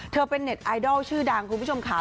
เป็นเน็ตไอดอลชื่อดังคุณผู้ชมค่ะ